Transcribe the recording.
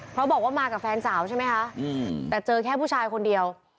เพราะบอกว่ามากับแฟนสาวใช่ไหมคะแต่เจอแค่ผู้ชายคนเดียว